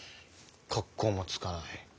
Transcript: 格好もつかない。